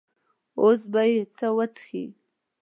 اوس به یې ته وڅښې.